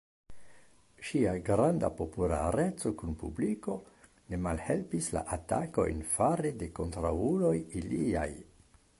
Ŝia granda populareco kun publiko ne malhelpis la atakojn fare de kontraŭuloj iliaj.